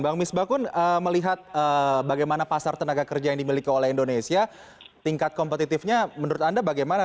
bang misbakun melihat bagaimana pasar tenaga kerja yang dimiliki oleh indonesia tingkat kompetitifnya menurut anda bagaimana